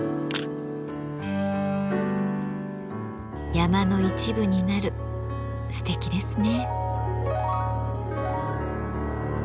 山の一部になるすてきですね。